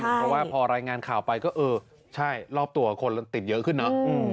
เพราะว่าพอรายงานข่าวไปก็เออใช่รอบตัวคนติดเยอะขึ้นเนอะ